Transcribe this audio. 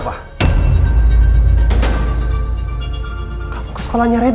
kamu ke sekolahnya renan